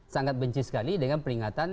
sangat benci sekali dengan peringatan